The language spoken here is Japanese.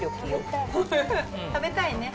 食べたいね。